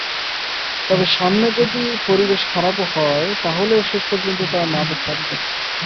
তবে সামনে যদি পরিবেশ খারাপও হয়, তাহলেও শেষ পর্যন্ত তাঁরা মাঠে থাকবেন।